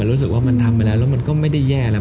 รู้สึกว่ามันทำไปแล้วแล้วมันก็ไม่ได้แย่แล้ว